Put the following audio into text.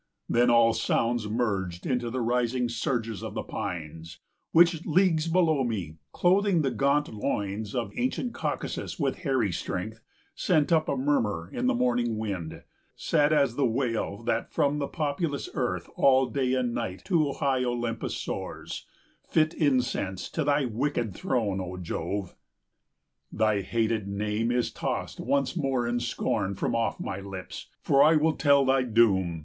Then all sounds merged Into the rising surges of the pines, Which, leagues below me, clothing the gaunt loins Of ancient Caucasus with hairy strength, Sent up a murmur in the morning wind, 45 Sad as the wail that from the populous earth All day and night to high Olympus soars, Fit incense to thy wicked throne, O Jove! Thy hated name is tossed once more in scorn From off my lips, for I will tell thy doom.